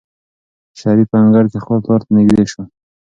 شریف په انګړ کې خپل پلار ته نږدې شو.